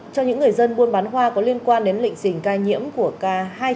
cho những người dân buôn bán hoa có liên quan đến lệnh xình ca nhiễm của ca hai trăm bốn mươi ba